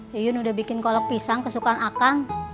ya yun udah bikin kolok pisang kesukaan saya